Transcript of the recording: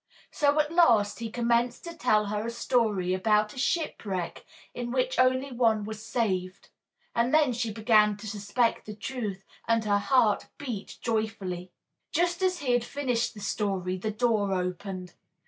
So at last he commenced to tell her a story about a shipwreck in which only one was saved, and then she began to suspect the truth and her heart beat joyfully. Just as he finished the story the door opened.